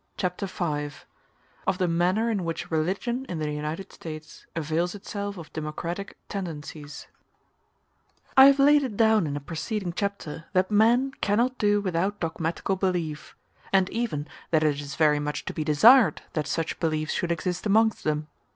Chapter V: Of The Manner In Which Religion In The United States Avails Itself Of Democratic Tendencies I have laid it down in a preceding chapter that men cannot do without dogmatical belief; and even that it is very much to be desired that such belief should exist amongst them.